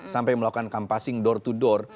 sampai melakukan kampassing door to door